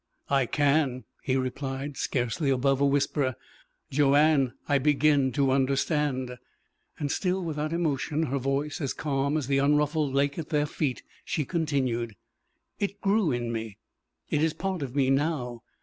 "I can," he replied, scarcely above a whisper. "Joanne, I begin to understand!" And still without emotion, her voice as calm as the unruffled lake at their feet, she continued: "It grew in me. It is a part of me now.